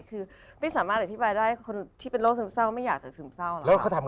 คือไม่สามารถอธิบายได้คนที่เป็นโรคซึมเศร้าไม่อยากจะซึมเศร้าแล้ว